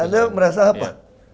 anda merasa apa